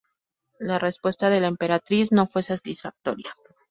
La respuesta de la emperatriz no fue satisfactoria.